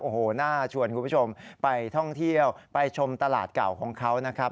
โอ้โหน่าชวนคุณผู้ชมไปท่องเที่ยวไปชมตลาดเก่าของเขานะครับ